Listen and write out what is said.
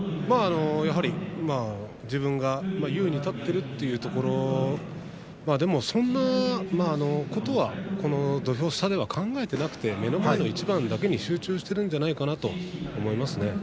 やはり自分が優位に立っているというところまあでもそんなことは土俵下では考えていなくて目の前の一番だけに集中しているんじゃないかなと思いますね。